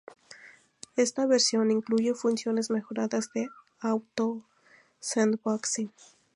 Ésta versión incluye funciones mejoradas de auto-sandboxing.